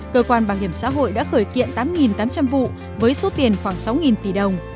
cơ quan bảo hiểm xã hội đã khởi kiện tám tám trăm linh vụ với số tiền khoảng sáu tỷ đồng